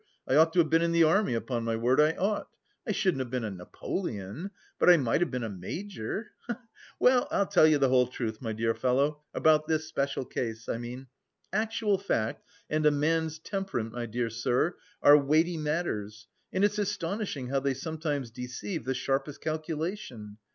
I ought to have been in the army, upon my word I ought. I shouldn't have been a Napoleon, but I might have been a major, he he! Well, I'll tell you the whole truth, my dear fellow, about this special case, I mean: actual fact and a man's temperament, my dear sir, are weighty matters and it's astonishing how they sometimes deceive the sharpest calculation!